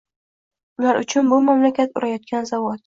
Ular uchun bu mamlakat urayotgan zavod